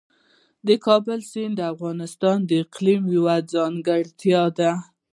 د کابل سیند د افغانستان د اقلیم یوه ځانګړتیا ده.